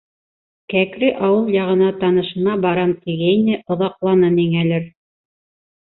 Кәкре ауыл яғына танышыма барам тигәйне, оҙаҡланы нигәлер.